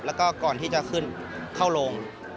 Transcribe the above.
แล้วก็ก่อนที่จะขึ้นเข้าโรง